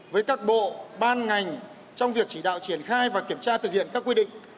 với các bộ ban ngành trong việc chỉ đạo triển khai và kiểm tra thực hiện các quy định